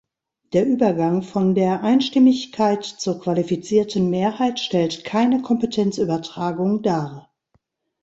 Der Übergang von der Einstimmigkeit zur qualifizierten Mehrheit stellt keine Kompetenzübertragung dar.